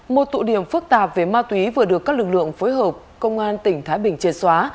một tụ điểm phức tạp về ma túy vừa được các lực lượng phối hợp công an tp hcm chê xóa